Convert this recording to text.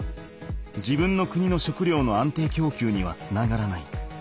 自分の国の食料の安定きょうきゅうにはつながらない。